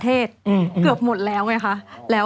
ตอนนี้ได้มั้ย